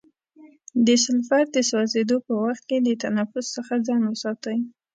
د سلفر د سوځیدو په وخت کې د تنفس څخه ځان وساتئ.